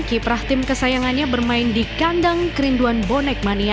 kiprah tim kesayangannya bermain di kandang kerinduan bonek mania